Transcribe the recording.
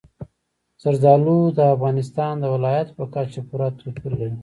زردالو د افغانستان د ولایاتو په کچه پوره توپیر لري.